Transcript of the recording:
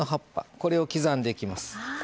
これを刻んでいきます。